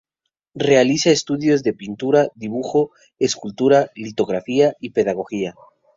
Realiza estudios de pintura, dibujo, escultura, litografía y pedagogía.